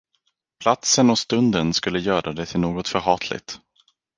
Platsen och stunden skulle göra det till något förhatligt.